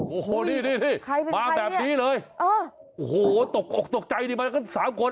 โอ้โหนี่นี่นี่มาแบบนี้เลยเออโอ้โหตกอกตกใจดีมากันสามคน